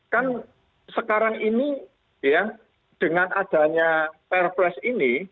kan sekarang ini dengan adanya perples ini